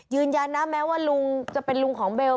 ยืนยันนะแม้ว่าลุงจะเป็นลุงของเบล